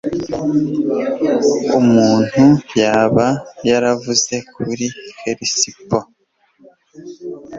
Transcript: Umuntu yaba yaravuze kuri Hellespont